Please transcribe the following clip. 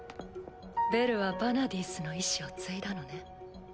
ベルはヴァナディースの遺志を継いだのね。